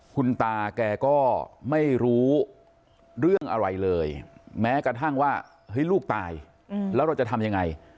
คุณตาแกก็ไม่รู้เรื่องอะไรเลยแม้กระทั่งว่าเฮ้ยลูกตายแล้วเราจะทำยังไง